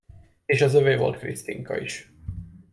És az övé volt Krisztinka is.